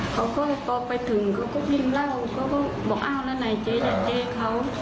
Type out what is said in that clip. เขาก็บอกไปถึงเขาก็พิมพ์เล่าเขาก็บอกเอาละไหนเจ๊แต่เจ๊เขา